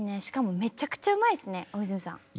しかもめちゃくちゃうまいですね大泉さん。